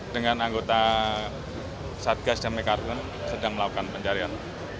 dengan anggota satgas dan mekatun sedang melakukan pencarian